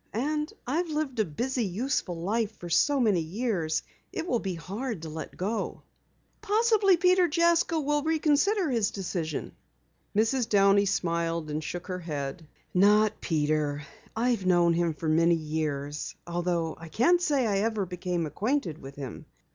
And I've lived a busy, useful life for so many years it will be hard to let go." "Possibly Peter Jasko will reconsider his decision." Mrs. Downey smiled and shook her head. "Not Peter. I've known him for many years, although I can't say I ever became acquainted with him.